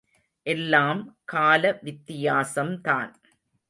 எல்லாம் கால வித்தியாசம்தான்.